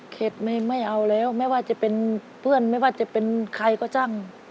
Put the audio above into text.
เข็ดไม่เอาแล้วไม่ว่าจะเป็นเพื่อนไม่ว่าจะเป็นใครก็จ้าง